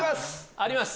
あります。